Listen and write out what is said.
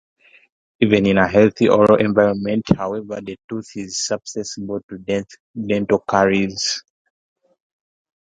Even in a healthy oral environment, however, the tooth is susceptible to dental caries.